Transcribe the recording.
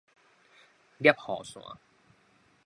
攝雨傘